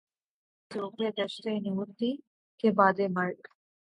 اللہ رے ذوقِ دشت نوردی! کہ بعدِ مرگ